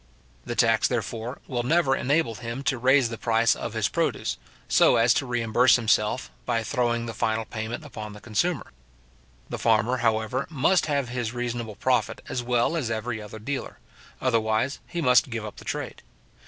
The tax, therefore, will never enable him to raise the price of his produce, so as to reimburse himself, by throwing the final payment upon the consumer. The farmer, however, must have his reasonable profit as well as every other dealer, otherwise he must give up the trade.